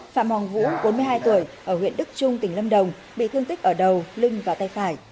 phạm hoàng vũ bốn mươi hai tuổi ở huyện đức trung tỉnh lâm đồng bị thương tích ở đầu lưng và tay phải